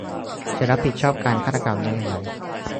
จะรับผิดชอบการฆาตกรรมนี้อย่างไร ?